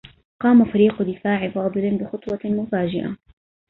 قام فريق دفاع فاضل بخطوة مفاجئة.